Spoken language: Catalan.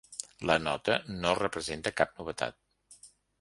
La nota no representa cap novetat.